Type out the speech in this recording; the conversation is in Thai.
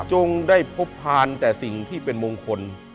จงได้พบพานแต่สิ่งที่เป็นมงคล